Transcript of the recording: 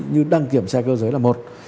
như đăng kiểm xe cơ giới là một